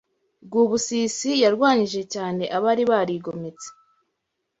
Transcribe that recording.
Rwubusisi yarwanyije cyane abari barigometse